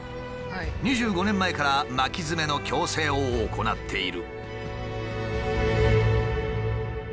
２５年前から巻きヅメの矯正を行っている。